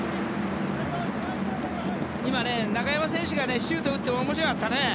今ね、中山選手がシュートを打っても面白かったね。